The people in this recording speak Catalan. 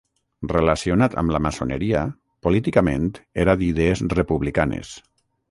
Relacionat amb la maçoneria, políticament era d'idees republicanes.